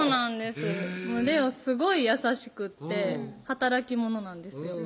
すごい優しくって働き者なんですよ